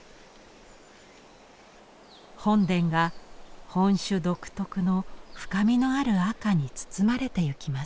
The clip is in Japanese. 本殿が本朱独特の深みのある赤に包まれてゆきます。